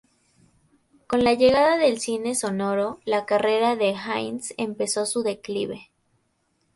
Con la llegada del cine sonoro, la carrera de Hines empezó su declive.